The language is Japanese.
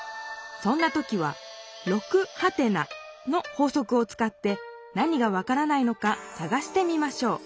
そんな時は「６？」の法則をつかって何が分からないのかさがしてみましょう。